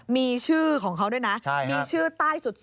มีชื่อของเขาด้วยนะมีชื่อใต้สุด